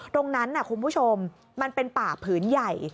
ตรงนั้นคุณผู้ชมมันเป็นป่าผืนใหญ่